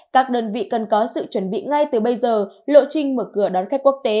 các đơn vị cần có sự chuẩn bị ngay từ bây giờ lộ trình mở cửa đón khách quốc tế